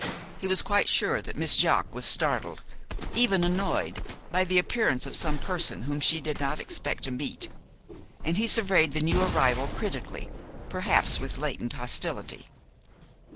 He was quite sure that Miss Jaques was startled, even annoyed, by the appearance of some person whom she did not expect to meet, and he surveyed the new arrival critically, perhaps with latent hostility.